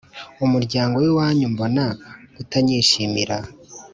Umuryango wiwanyu mbona utanyishimira